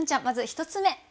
まず１つ目。